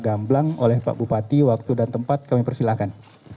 gamblang oleh pak bupati waktu dan tempat kami persilahkan